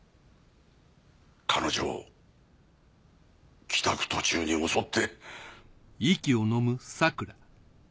彼女を帰宅途中に襲って。